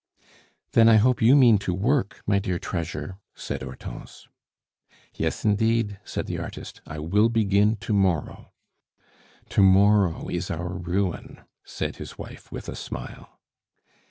"Then, I hope you mean to work, my dear treasure," said Hortense. "Yes, indeed," said the artist. "I will begin to morrow." "To morrow is our ruin!" said his wife, with a smile.